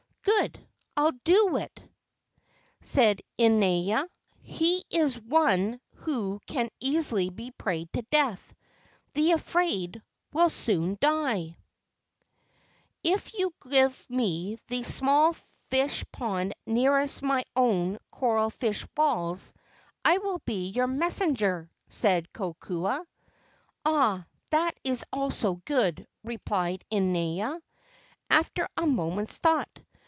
"Good; I'll do it," said Inaina: "he is one who can easily be prayed to death. 'The Afraid' will soon die." 78 LEGENDS OF GHOSTS "If you will give me the small fish pond nearest my own coral fish walls I will be your messenger," said Kokua. "Ah, that also is good," replied Inaina, after a moment's thought.